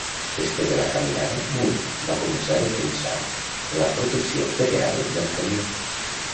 Després de la caminada, Muir va començar a defensar la protecció federal del canyó.